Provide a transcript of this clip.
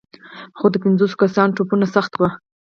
خو د پنځو کسانو ټپونه سخت وو.